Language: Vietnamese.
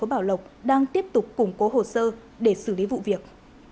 cảnh sát điều tra công an tp bảo lộc đang tiếp tục củng cố hồ sơ để xử lý vụ việc